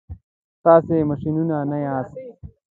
تاسي ماشینونه نه یاست.